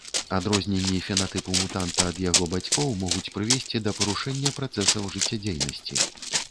Адрозненні фенатыпу мутанта ад яго бацькоў могуць прывесці да парушэння працэсаў жыццядзейнасці.